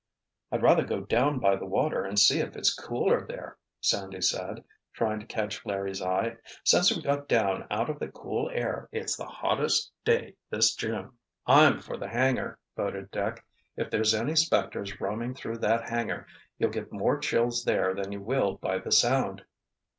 "I'd rather go down by the water and see if it's cooler there," Sandy said, trying to catch Larry's eye. "Since we got down out of the cool air it's the hottest day this June." "I'm for the hangar!" voted Dick. "If there's any specters roaming through that hangar you'll get more chills there than you will by the Sound."